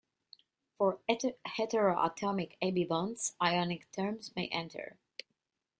For heteroatomic A-B bonds, ionic terms may enter.